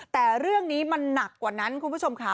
แต่เรื่องนี้มันหนักกว่านั้นคุณผู้ชมค่ะ